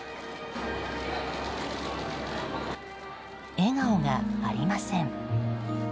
笑顔がありません。